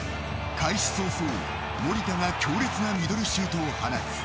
開始早々、守田が強烈なミドルシュートを放つ。